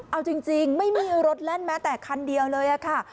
เอาจริงไม่มีรถแล่นแม้แต่คันเดียวเลยค่ะ